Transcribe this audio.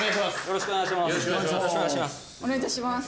よろしくお願いします。